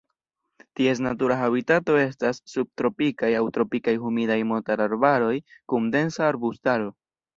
Ties natura habitato estas subtropikaj aŭ tropikaj humidaj montararbaroj kun densa arbustaro.